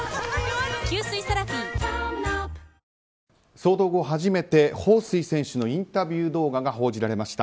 騒動後初めてホウ・スイ選手のインタビュー動画が報じられました。